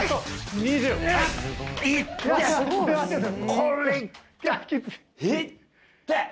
これ。